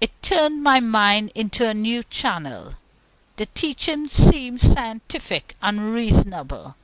It turned my mind into a new channel. The teaching seemed scientific and reasonable.